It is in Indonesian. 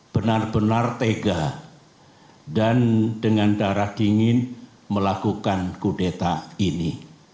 benar benar tega dan dengan darah dingin melakukan kudeta ini